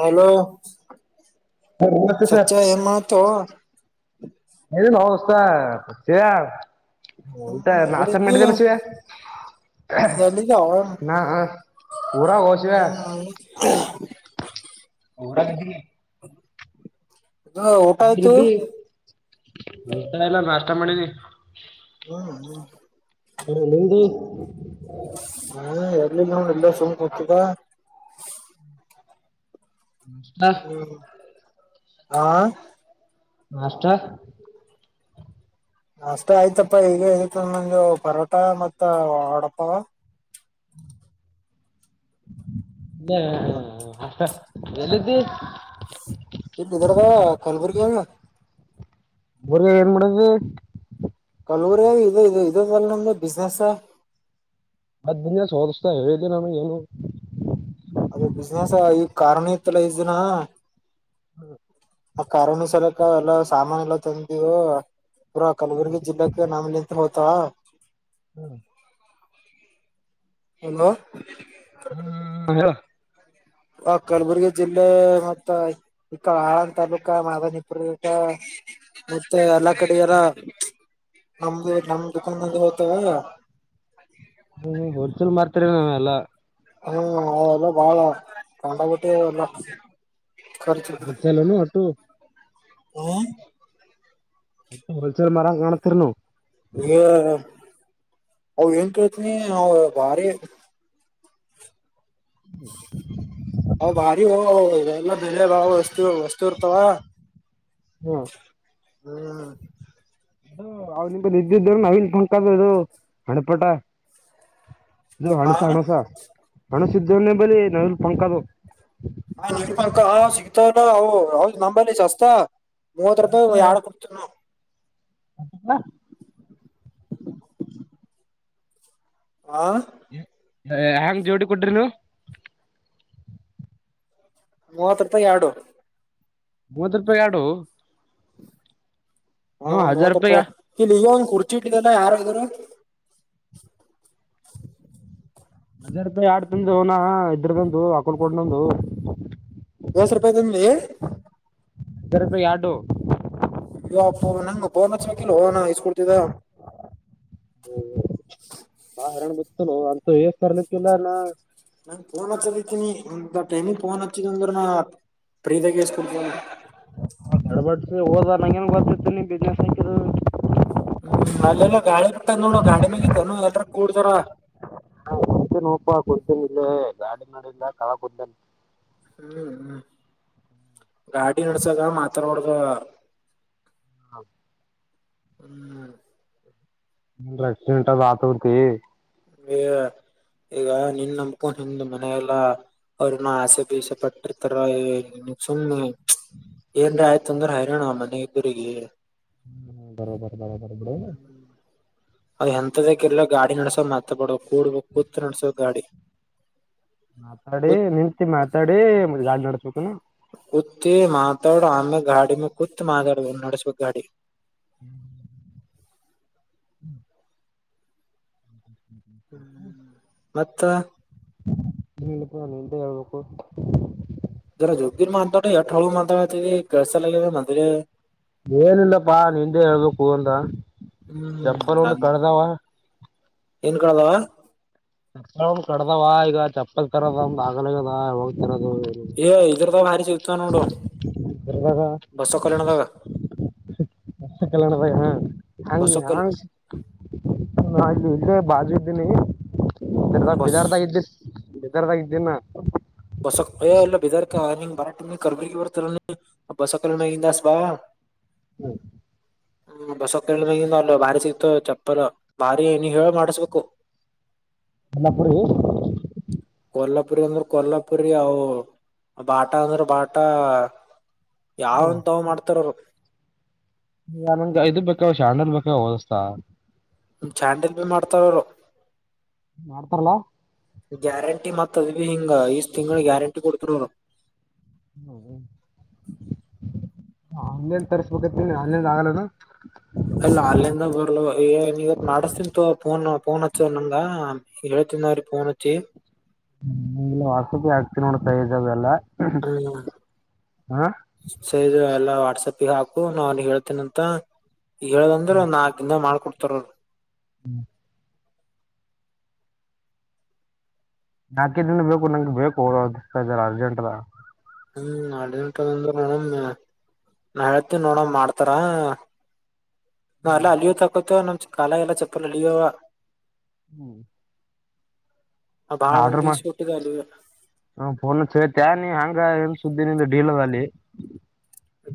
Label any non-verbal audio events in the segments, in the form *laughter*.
Hello ತ್ತ sir ಸಚ್ಚ ಏನ್ ಮಾಡತು ನವುತ ಸಯ ಊಟಾ ಹ್ಮ್ ನಸ್ತ ಎಲ್ಲಿದ್ದಿ ಮೆಟ್ಟಲ್ಲ ಸಯ ಎಲ್ಲಿದ್ದಾವ ನಾ ಊರಾ ಶಿವ ಹ್ಮ್ ಊರ ದು ಊಟಾಯತು ಇಟ ಇಲ್ಲ ನಾಷ್ಟ ಮಾಡಿದಿ ಹ್ಮ್ ಹ್ಮ ಹಾ ನಿಮ್ದು ಹಾ ಎರ್ಲ್ಲಿಿಲ್ಲ ನೋ ಎಲ್ಲ ಸೋಂಕು ಹತದ ಹಾ ಆಾ ನಷ್ಟತ ಅಷ್ಟೇ ಆಯ್ತಪ್ಪಾ ಈಗ ಇತ್ತು ನ ಪರೋಟ ಮತ್ತ ಹಡಪ್ಪ ಹ ಎಿದ್ದ ಇ ವಿಧರ್ಭ ಕಲಬುರಗ ಮುರಿಗ ಏನು ಮಾಡಡುದು ಕೆಲವರಿ ಇ ಇದು ಇದದಲ್ಲ ನಮ್ದ ಬಿಸ್ನೆೆಸ್ ಅದಯ ಸೋಸ್ತಾ ಹೇಳಿದ್ದಿ ನಮಗೆ ಏನು ಅದ ಬಿಸ್ನೆಸ್ ಈಗ ಕಾರಣ ಇತ್ತಲ್ಲ ಈ ದಿನ ಹ್ಮ ಆ ಕಾರರಣ ಸಲಕ ಎಲ್ಲ ಸಾಮಾನ ಎಲ್ಲ ತಂದವು ಪೂರ ಕಲಬುರಗಿ ಜಿಲ್ಲಾಕ್ಕೆ ನಾಮಲ್ಲಿ ಅಂತ ಹೋತಾ ಹ್ಮ ಹಲೋ ಹ್ಮ್ ಆ ಕಲಬುರ್ಗಿ ಜಿಲ್ಲೆ ಮತ್ತ ಈ ಆಳನ್ ತಾಲೂಕ ಮಾದಾನಿಪುರ ಮತ್ತೆ ಎಲ್ಲ ಕಡೆಯಾರ ನದು ನಮ್ಮ ದಕಾನದಂದ ಹತ ಹ್ಮ ಹೊರ್ಚಲ್ ಮಾಡ್ತರವ ನಾವ್ ಎಲ್ಲಾ ಹ್ಮ್ ಅವೆಲ್ಲ ಬಾಳ ತೊಂಡಬಟ್ಟಿಲ್ಲ ಮತ್ತಲ್ಲನು ಒಟ್ಟು ಹ್ಮ ಅತ್ತ ಹೋಲ್ಸೇಲ್ ಮರ ಕಾಣಾುತ್ತನ ಅವ ಏನ್ ಕತ ಭಾರಿ ಹ ಹ ಭಾರಿ ಎಲ್ಲ ಎಲ್ಲೆ ಬಾಾವ ವಸ್ತು ವಸ್ತು ಇರ್ತಾವ ಹ್ಮ್ ಹ್ಮ ಅವ್ ನಿ್ದ ಇದ್ದಿದ್ದ ನವೀನ್ ಪಂಕ್ದ ಇದು ಹಣಪಟ ಇದು ಹ ಹಣಸ ಹಣಸ ಹಣಸ ಇದ್ದವನ್ನೇ ಬಲಿ ನವಿಲ್ ಪಂಕದು ಹಾ ನಿಪಕ ಹ ಶಕ್ತಲ್ಲ ಹ ಹದು ನಂಬಲಿಸ್ಸ್ತ ಮೂವತ್ತು ರೂಪಾಯಿ ಆಳ ಕೊಡ್ತ *unintelligible* ಹಾ ಹೆ್ಯಾಂಗ ಜೋಡಿ ಕೊಟ್ರಿ ನೀ ಮೂವತ್ ರೂಪಾಯಿ ಎರಡು ಮೂವತ್ ರೂಪಾಯಿ ಎರಡು ಹಾ ಹ್ಮ ಹಜಾರ್ ಮೂವತ್ ರೂಪಾಯಿ ಇಲ್ಲಿ ಕುರ್ಚಿ ಇಟ್ಟಿದಲ್ಲ ಯಾರರು ಹಜ ರೂಪಾಯಿ ಆಡ್ತಂದು ಅವನ ಇದ್ರಗಂದು ಆಕೊಂಡಕಡಂದು ಎಸ್ ರೂಪಾಯಿ ತಂದುಿ ಅರಾದ್ರೆ ಎರಡು ಇಲ್ವಾಪ್ಪ ನಂಗ ಬೋನ್ ಹಚ್ಬೇಕಿಲ್ ಹನ ಇಸ್ಕೊಡ್ತಿದ್ದ ಹ್ಮ ಮ ಹಾರಾಣ ಗೊತ್ತತ ಅಂತ ಕಲುಕ್ಕಲ್ಲ ನ ನಂಗ್ ಫೋನ್ ಹಚ್ಚದತೀನಿ ಇ ಟೈಮಿಂಗ್ ಫೋನ್ ಹಚ್ಚಿದ ಅಂದ್ರ ನ ಪ್ರೀತಕ್ಕೆಸ್ಕಡ್ ಬಟ್ಸ ಹೋದ ನನೇನು ಗೊತ್ತತಿತ್ತು ನೀ ಬಿಸ್ನೆಸ್ ಹಕ್ಕಿದು ಹು ಅಲ್ಲೆಲ್ಲ ಗಾಳಿ ಬಿಟ್ಟ ನೋಡ ಗಾಡಿ ಮ್ಯಾಗನು ಎಲ್ರ ಕೂಡತ್ತಾರಾ ಕುಂತೇ ನೋಪಾ ಕುಂತೇನಿ ಇಲ್ಲ ಗಾಡಿ ಮೇಲಿಂದ ಕೆಳಗ ಕುಂತೇನಿ ಹು ಹು ಗಾಡಿ ನಡಸ್ಸುವಾಗ ಮಾತಾಡ್ಬಾರಾದ್ರೂ ಹೌದ ಹು ಏನರ ಎಕ್ಕ್ಷಿಡೆಂಟ ಆಗತ್ತತಿ ಈ ಈಗ ನಿನ್ ನಂಬಕೊಂಡ ನಿನ್ನ ಮನ್ಯಾಗ ಎಲ್ಲಾ ಅವರ ಏನೋ ಆಸೆ ಪೀಸೆ ಪಟ್ಟಿರ್ತಾರಾ ಏ ನಿನಗ ಸುಮ್ಮ್ ನ ಏನರ ಆಯ್ತು ಅಂದ್ರೆ ಹೈರೋಣಾ ಮನಿ ಇಬ್ಬರಗಿ ಹು ಬರೋಬರಿ ಬರೋಬರಿ ಬಿಡ ಅದ ಎಂತದ ಯಾಕ್ ಗಾಡಿ ನಡಸೋ ಮಾತ ಬಡ ಕೂಡ್ಬ ಕೂತ್ ನಡಸೋದ ಗಾಡಿ ಮಾತಾಡಿ ಕೂತ್ ನಿಂತಿ ಮಾತಾಡಿ ಗಾಡಿ ನಡ್ಸಬೇಕೇನ ಕುತ್ತ ಮಾತಾಡ ಆಮೆ ಗಾಡಿ ಮ್ಯಾಗ ಕುತ ಮಾತಾಡ ನಡೆಸಬೇಕ ಗಾಡಿ ಹು ಹು ಹು ಹು ಹು ಹ್ಮ್ ಮತ್ತ ಏನಿಲ್ಲ ಪಾ ನಿಂದೆ ಹೇಳ್ಬೇಕು ಜರ ಜಗ್ಗಿರ್ ಮಾತಾಡ್ ಎಷ್ಟ ಹಳು ಮಾತಾಡಾಕತ್ತಿದಿ ಕೆಳಸಲ್ಲ ಆಗಿದ ಮಾತಾಡುದು ಏನಿಲ್ಲಪ್ಪಾ ನಿಂದೆ ಹೇಳ್ಬೇಕು ಅಂದ ಹ್ಮ್ ಚಪ್ಪಲ್ ಒಂದು ನನ್ ಕಡದಾವ ಏನ್ ಕಳದಾವ ಚಪ್ಪಲ್ ಕಡದಾವ ಈಗ ಚಪ್ಪಲ್ ತರದ ಒಂದ್ ಆಗಲೆಲ್ಲಾ ಹೋಗ್ತರದ ಏ ಇದ್ರದಾಗ ಭಾರಿ ಸಿಗತಾವ ನೋಡು ಇದ್ರದಾಗ ಬಸವ ಕಲ್ಯಾಣದಾಗ ಬಸವ ಕಲ್ಯಾಣದಾಗನ ಹೆಂಗ ಬಸವ ಕಲ್ ಹೆಂಗ ನ ಕೋ ಬಾ ಅಲ್ಲಿ ಇದ್ದೀನಿ ಬಿದರ್ ಬಸ್ ಬಿದರದಾಗ ಇದ್ದಿ ಬೀದರದಾಗ ಇದ್ದೀನಿ ನಾ ಬಸಕ್ಯ ಎ ಅಲ್ಲಿ ಬೀದರ್ ಕ ಆಗಿಲ್ಲ ನಂಗ ಬರಾಕ್ ಅಂದ್ರ ಕಲ್ಬುರ್ಗಿ ಬರ್ತಿರೆನ್ ನೀವು ಬಸವ ಕಲ್ಯಾಣ ಹಿಂದ ಹಾಸಿ ಬಾ ಹು ಹು ಬಸವ ಕಲ್ಯಾಣದಾಗಿಂದ ಅಲ್ಲೇ ಬಾರಿ ಸಿಗತಾವ ಚೆಪ್ಪಲ್ ಬಾರಿ ನಿ ಹೇಳಿ ಮಾಡಸ್ಬೇಕು ಕೊಲ್ಲಾಪುರಿ ಕೊಲ್ಲಾಪುರಿ ಅಂದ್ರ ಕೊಲ್ಲಾಪುರಿ ಅವು ಬಾಟಾ ಅಂದ್ರ ಬಾಟಾ ಯಾವಂತಾವ ಮಾಡ್ತಾರ ಅವರು ನನಗ ಇದು ಬೇಕಾವ ಶ್ಯಾಂಡಲ್ ಬೇಕಾಗ್ಯಾವು ದೋಸ್ತಾ ಚಾಂಡಿಲ್ ಭೀ ಮಾಡ್ತಾರರು ಮಾಡ್ತಾರಲ್ಲಾ ಗ್ಯಾರಂಟಿ ಮತ್ತ ಅದುಬಿ ಹಿಂಗ ಇಷ್ಟ್ ತಿಂಗಳ ಗ್ಯಾರಂಟಿ ಕೊಡ್ತರ ಅವರು ಹುಹು ಆನ್ಲೈನ್ ತರಿಸಬೇಕಂತೆಳಿ ಆನ್ಲೈನ್ ಆಗಲ್ಲನ ಅಲ್ಲ ಆನ್ಲೈನ್ದಾಗ ಬರ್ಲ ಏ ನಿವತ್ತ ಮಾಡಿಸ್ತೇನಿತೋ ಫೋನ್ ಫೋನ್ ಹಚ್ಚ ನಂಗ ಹೇಳಿದ್ ತಿನವರಿಗೆ ಫೋನ್ ಹಚ್ಚಿ ನೋಡತಾಇದೇವಿ ಇದವೆಲ್ಲಾ ಹ ಅಣ್ಣಾ ಸರಿ ಆತ ಇಲ್ಲ ವಾಟ್ಸ್ಪ್ ಹಾು ನ ಅವ ಹೇಳ್ತೇನ ಅಂತ ಹೇಳದ ಅಂದ್ರೆ ಒ ನಾಕ ಮಾಡ ತರೋರ್ ಹು ನಾಕೇ ದಿನ ಬೇಕು ನಂಗೆ ಬೇಕು ಜರಾ ಅರ್ಜೆಂಟದ ಹು ಅಡಂಟ ಅಂದ ನೋಡಮ ನಾ ಹೇಳ್ತೇ ನೋಡ ಮಾಡ್ತಾರ ನಾವ ಎಲ್ಲ ಅಲಿಯೋತಲುಪೋತ್ತೋ ನಮ ಕಾಲ ಎಲ್ಲ ಚಪ್ಪಲ್ಲ ಅಲಿಯೋವ ಹು ಬಾಳ ಆರ್ಡ್ರ ಮಂದಿ ಮಾಡ ಸುಟ್ಟಿದ ಅಲಿವ ಹು ಫೋನ್ ಹಚ್ಚಿ ಹೇಳತಿಯಾ ಹೆಂಗ ಸುದ್ದಿನಿಂದ ಢೀಳಾಲಿ.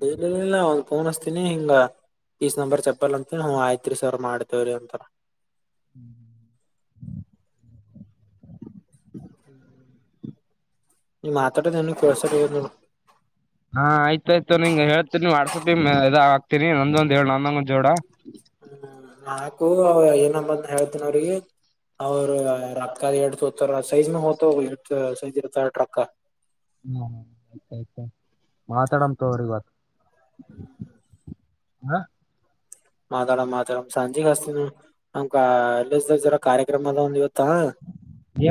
ಡೈಲಲ್ಲ ಒಂದು ಫೋನ್ಸ್ತೀನಿ ಹಿಂಗ. ಪೀಸ್ ನಂಬರ್ ಚಪ್ಪಲ್ಂತ ನಾ್ ಆಯ್ತ್ರಿ ಸರ್ ಮಾಡ್ತೇವ್ರಿ ಅಂತಾರ. ಹ್ಮ್. ನೀ ಮಾತ್ರಡ ನಿನ ಕೆಳಸ. ಹಾ ಆಯ್ತಾಯಯ್ತು ನಿನ್್ ಹೇಳ್ತೀನಿ ವಾಟ್ಸಪ್ಿ ಇದ ಹಾತನಿ ನಂದೊಂದ್ ಹೇಳ ನಂದೊಂಗೊ್ ಜೋಡ. ಹ್ಮ್ ನಾಕು ಏನಂಬಂದ ಹೇಳ್ತನ ಅವ್ರಿಗೆ. ಅವ್ರ ರತ್ ಕಾಲ ಎಡ್ಡು ಹೋತಾರ ಸೈಜ್ ಮ ಹೋ್ತ ಎ ಸೈಜ್ ಇರ್ತಾರ ಟ್ರಕ್. ಹ್ಮ ಆಯ್ತ ಆಯ್ತ ಮಾತಾಡಮ ತೋ್ರಿ ಇವತ್ತು. ಹಾ. ಮಾತಾಡ ಮಾತಾಡ ಸಂಜೆ ಹಸ್ತಿನ ನಮ್ ಎಲ್ಲರ ಕಾರ್ಯಕ್ರಮ ಅದ ಒಂದ್ ಇವ.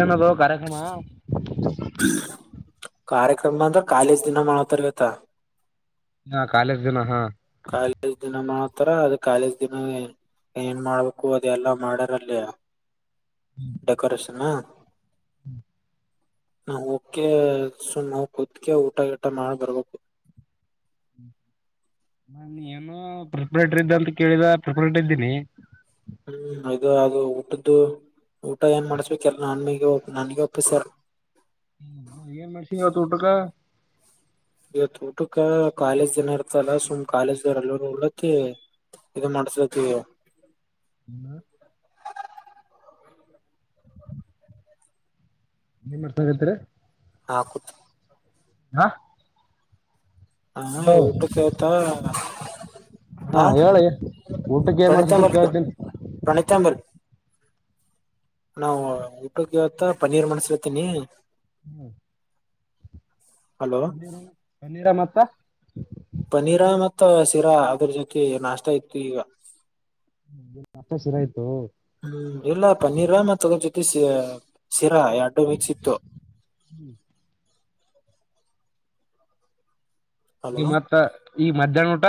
ಏನದು ಕಾರ್ಯಕ್ರಮ. ಕಾರ್ಯಕ್ರಮ ಅಂದ್ರ ಕಾಲೇಜ್ ದಿನ ಮಾಡತರ್ವತ್ತ. ಹಾ ಕಾಲೇಜ್ ದಿನ ಹಾ ಕಾಲ ದಿನ ಮಾಡ. ತರ ಅದ ಕಾಲೇಜ್ ದಿನ ಏನ್ ಮಾಡ್ಬೇಕು ಅದೆ ಎಲ್ಲಾ ಮಾಡ್ಯಾರಲ್ಲಿಯ. ಡೆಕೋರೇಷನ್ ಹ. ನಾ ಹೋಗಕ ಸುಮ್ ನ ಕತ್ಕ ಊಟ ಟ ಮಾಡ ಬರ್ಬೇಕು. ಹ್ಮ್ *unintelligible* ನಾನು ಏನು ಪ್ರಿಪರೇಟರ್ ಇದ್ದ ಅಂತ ಕೇಳಿದ ಪ್ರಿಪರೇಟರ್ ಇದ್ದೀನಿ. ಹ್ಮ್ ಅದು ಅದು ಊಟದ್ದು. ಊಟ ಏನ್ ಮಾಡಸ್ಬೇಕ ಎಲ್ಲ ನನ್ ಮಗ ನನ್ಗ ಒಪ್ಪಸಾರ. ಹ್ಮ ಮಷಿ ಗತ್ತುಟಕ. ಇತ್ತು ಊಟಕ್ಕೆ ಕಾಲೇಜ್ ಜನ ಇರ್ತಲ್ಲ ಸುಮ್ ಕಾಲೇಜ್ ದವಲ್ಲ ಉಳತಿ. ಇದು ಮಾಡಸಕ್ಕೆ. ಹ್ಮ. ನಿಮ್ ಮಾಡರ್ಸಗತ್ರಿ. ಹಾಕೂತ್. ಹಾ. ಹಾ ಊಟಕ್ಕೆ ಆಯತಾ. ಹಾ ಹ ಹೇಳಿ ಊಟಕ್ಕೆ ಏನ್ ಪ್ರಣೀಿತ ಮಾಡ್ಸತ್ರಿ ಅಂಬಲ್ ಕೇಳ್ತೀನಿ ಪ್ರಣಿತ ಅಂಬಲ್. ನಾವವು ಊಟಕ್ಕೆಿವತ್ತ ಪನ್ನೀರ್ ಮಣಸತೀನಿ. ಹ್ಮ್. ಹಲೋ ಪನೀರ ಪನ್ನೀರ ಮತ್ತ. ಪನೀರ ಮತ್ತ ಶಿರಾ ಅದ್ರ ಜೊತೆ ನಾಷ್ಟ ಇತ್ತು ಈಗ. ಮತ್ತ ಶಿರಾ ಇತ್ತು ಹ್ಮ್ ಇಲ್ಲಾ ಪನ್ನೀರ್ವಾಮ ತಗ ಜೊತೆಷ. ಶಿರಾ ಎರಡು ಮಿಕ್ಸ ಇತ್ತು. ಹಲೋ ನಿಮ್ಮತ್ ಈ ಮಧ್ಯಾಹ್ನ ಊಟ.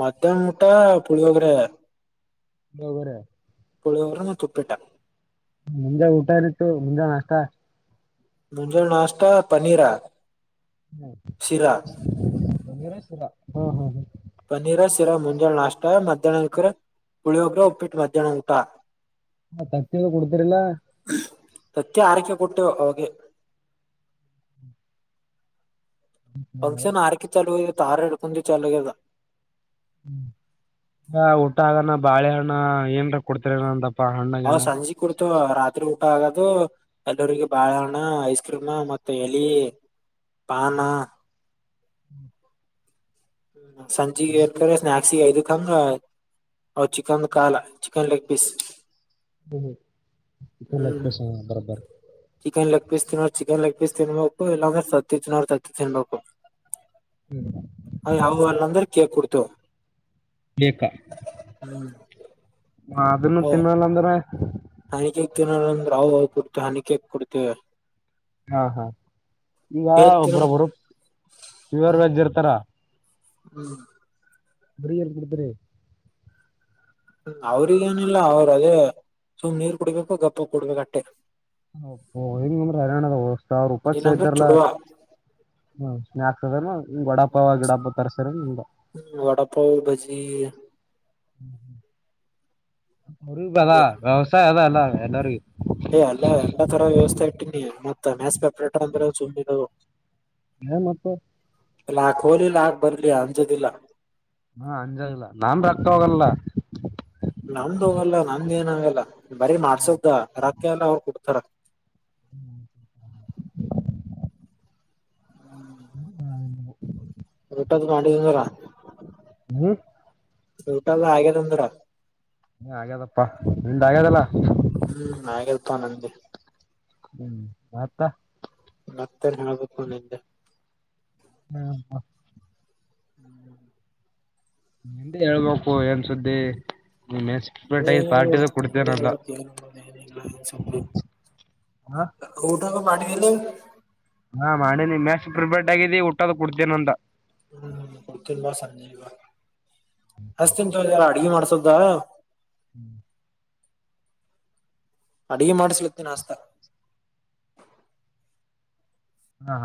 ಮತ್ತ ಮುಟ್ಟಾ ಪಳಿವೋಗರ. *unintelligible* ಕೊಳಿಯೋರ ನ ಕುಪ್ಪೇಟ. ಮುಂಜೆ ಊಟ ಏನಿತ್ತು ಮುಂಜೆ ನಷ್ಟ. ಮುಂಜೊ ನಾಸ್ತಾ ಪನ್ನೀರಾ. ಹ್ಮರರ ಹ್ಮ ಹ್ಮ ಹ್ಮ್. ಪನ್ನೀರ ಸಿಿರಾ ಮುಂಜಾಳು ನಾಷ್ಟ ಮಧ್ಯಾಹ್ನಕ್ರ ಪುಳಿಯೋಗ್ರ ಉಪ್ಪಿಟ್ಟು ಮಧ್ಯಾಹ್ನ ಊಟ. ಹ ತಪ್ಪಾಗ ಕೊತರಲ. ಸತ್ಯ ಆರಕ್ಕ ಕುಟ್ಟ ಓೋಗೆ. ಫಂಕ್ಷನ್ ಆರಕ ಚಾಲಲುತ್ತು ಆರರಡು ಪಂಜೆ ಚಲು ಆದ. ಹ ಊಟ ಆಗನ ಬಾಳೆಹಣ್ಣ ಏನ್ ಕೊಡ್ತರ ಅಪ್ಪ. ಹ ಸಂಜೆ ಕುಡ್ತು ರಾತ್ರಿ. ಆಗದು ಎಲ್ಲರಿಗೆ ಬಾಳೆಹಣ ಐಸ್ ಕ್ರೀಮ ಮತ್ತ ಎಲಿ. ಬಾಮ ಸಂಜಿಏರ್ತಾರೆ ಸ್ಕ್ ಐದ ತಂಗ ಅವ ಚಿಕನ್ ಕಾಲ ಚಿಕನ್ ಲೆಗ್ ಪೀಸ್ ಹ್ಮ ಹ್ಮ್ ಇಬೇಕಷ ಬರಬರ್ ಚಿಕನ್ ಲೆಗ್ ಪೀಸ್ ತಿನ್ನೋಡ್ ಚಿಕನ್ ಲೆಗ್ ಪೀಸ್ ತಿನ್ಬೇಕು ಇಲ್ಲಾಂದ್ರೆ ಸತ್ತಿ ತಿನ್ನೋ್ರ ತತ್ತ ತಿನ್ಬೇಕು ಅ ಹ ಅ ಅಂದ್ರ ಕ ಕುಡ್ತ ಹ್ಮ್ ಹ ಅದನ್ನು ತಿನ್ನಲ್ಲ ಅಂದ್ರೆ ಹನಿಕಕ್ ದನ ಅಂದ್ರ ಅವವು ಕೊಡ್ತ ಹನಿಕಕ್ ಕೊಡ್ತೇವಿ ಹಾ ಹಾ ಈಗ ಕೇಕ್ ತಿನ್ ಒಬ್ಬ್ರೊಬ್ರು ಪರ್ ವೆಜ್ಜ್ ಇರ್ತಾರ ಹ್ಮ್ ಬರಿಲ್ ಕುತರ ಅವ್ರಿಗ ಏನಿಲ್ಲ ಅವರು ಅದೇ ಸುಮ್ ನೀರ್ ಕುಡ್ಬೇಕು ಗಪ್ಪ ಕುಡ್ಬೇಕು ಅಟ್ಟೆ ಹ ಂದ್ರ ಹರಣ ಅದ ಸಾವಿರ ಉಪಾಯ ಇಲ್ಲಾಂದ್ರೆ ಇದತಾರಲ್ಲಾ ಚುಡುವ ಹ್ಮ ಸ್ಕ್ತದ ಗಡಪ್ಪ ಗಿಡಪ್ಪ ತರ್ಸರ ನಿದ ವಡಪಾವ್ ಬಜಿ ಹ್ಮ್ ಹ್ಮ್ ಉಪದಾ ವಿವಸಾಯದಾ ಎಲ್ಲ ಎಲ್ಲಾರಗ ಏ ಅಲ್ಲ ಎಲ್ಲಾ ತರ ವ್ಯವಸ್ಥೆ ಇಟ್ಟೀನಿ ಮತ್ತ ಮ್ಯಾಸ್ ಪೇಪರೇಟರ್ ಅಂದ್ರೆ ಸುಮ್ಮದು ಹ ಮತ್ತ ಲಾಕ್ ಹೋಲಿ ಲಾಕ್ ಬರ್ಲಿ ಅಂಜದಿಲ್ಲ ಹಾ ಅಂಜಾಗಲ್ಲ ನಾನ್ ರತ ಹೋಗಲ್ಲ ನಮ್ದು ಹೋಗಲ್ಲ ನಮ್ದ ಏನ ಆಾಗಲ್ಲ ಬರಿ ಮಾಡ್ಸದ್ದ ಅರಕ್ಕೆ ಎಲ್ಲ ಅವ್ರು ಕು ಕೊಡ್ತಾರ ಹ್ಮ ಹ ಅದ ರೊಟ್ಟದ ಮಾಡಿದಂದರ ಹ್ಮ ಊಟಲ್ಲ ಹಾಗೆ ತಂದ್ರ ಹ ಹಾಗಗ್ಯದಪ್ಪಾ ನಿಮ್ದ ಆಗ್ಯದಲ್ಲ ಉಪ್ಪ ನಂದ ಹ್ಮ್ ಮತ್ತಾ ಮತರ್ ಹೇಳ್ಬೇಕು ನಿದೆ ಹ್ಮ ಹಾ ಹ್ಮ್ ನಿ ಹೇಳ್ಬೇಕು ಏನ್ ಸುದ್ದಿ ನೀ ಎಕ್ಸ್ಪರ್ಟ್ ಆಗಿ ಪಾರ್ಟಿದು ಹ್ಮಲ್ಲ ಕೊಡ್ತೇನಂದ ಸ ಹಾ ಊಟಕ ಮಾಡಟಿ ಇಲ್ಲ ಹಾ ಮಾಡೇನಿ ಮ್ಯಾಸ್ ಪ್ರಿಪೇರ್ಡ್ ಆಗಿದ್ದಿ ಊಟ್ಟದ ಕುಡ್ತೇನ ಅಂತ ಹ್ಮ್ ಕೊಡ್ತಂಬಾ ಸಂಜೆವಾ ಅಷ್ಟ ಎಂತಾರ ಅಡ್ಗೆ ಮಾಡ್ಸೋದ ಹ್ಮ್ ಅಡುಗೆ ಮಾಡಿಸಲತ್ತೆ ನಾಸ್ತ ಹಾ